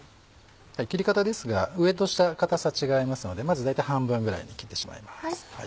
切り方ですが上と下硬さ違いますのでまず大体半分ぐらいに切ってしまいます。